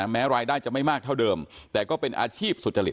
แม้รายได้จะไม่มากเท่าเดิมแต่ก็เป็นอาชีพสุจริต